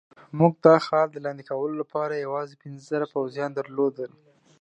موږ د اخال د لاندې کولو لپاره یوازې پنځه زره پوځیان درلودل.